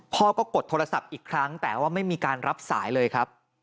พ่อก็กดโทรศัพท์อีกครั้งแต่ว่าไม่มีการรับสายเลยครับ